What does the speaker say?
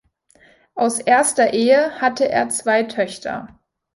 Aus erster Ehe hatte er zwei Töchter.